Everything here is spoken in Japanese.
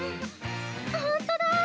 ほんとだ！